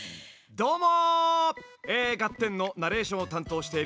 どうも。